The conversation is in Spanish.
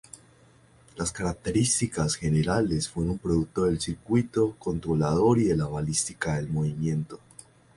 Las características generales fueron producto del circuito controlador y de la balística del movimiento.